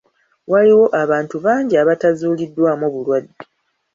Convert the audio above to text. Waliwo abantu bangi abatazuuliddwamu bulwadde.